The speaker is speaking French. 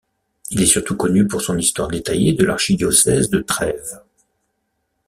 Il est surtout connu pour son histoire détaillée de l’archidiocèse de Trèves.